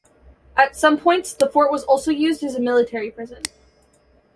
At some points, the fort was also used as a military prison.